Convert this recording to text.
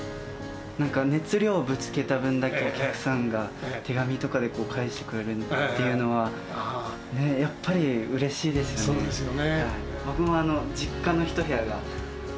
なんか熱量をぶつけた分だけ、お客さんが手紙とかでこう、返してくれるっていうのはね、やっぱりうれしいですよね。